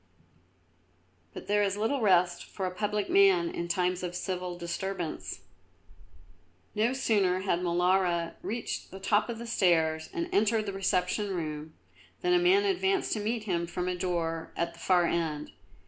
But there is little rest for a public man in times of civil disturbance. No sooner had Molara reached the top of the stairs and entered the reception room, than a man advanced to meet him from a door at the far end.